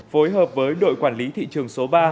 phối hợp với đội quản lý thị trường số ba